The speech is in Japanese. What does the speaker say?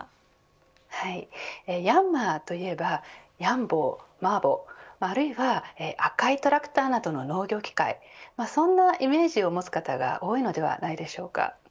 ヤンマーといえばヤン坊、マー坊あるいは、赤いトラクターなどの農業機械そんなイメージを持つ方が多いのではないでしょうか。